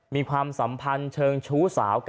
ความสัมพันธ์เชิงชู้สาวกัน